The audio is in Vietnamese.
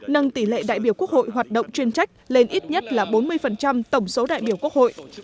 nâng tỷ lệ đại biểu quốc hội hoạt động chuyên trách lên ít nhất là bốn mươi tổng số đại biểu quốc hội